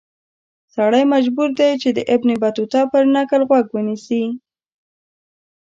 سړی مجبور دی چې د ابن بطوطه پر نکل غوږ ونیسي.